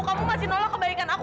kamu masih nolak kebaikan aku